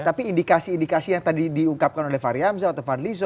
tapi indikasi indikasi yang tadi diungkapkan oleh fary hamzah atau fary hamzah